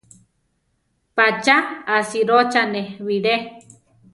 ¿Pa cha asírochane bilé?